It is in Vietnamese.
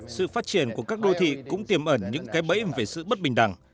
sự phát triển của các đô thị cũng tiềm ẩn những cái bẫy về sự bất bình đẳng